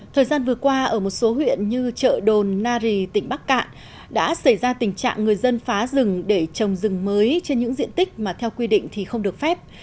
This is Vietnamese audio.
thời gian vừa qua ở một số huyện như chợ đồn nari tỉnh bắc cạn đã xảy ra tình trạng người dân phá rừng để trồng rừng mới trên những diện tích mà theo quy định thì không được phép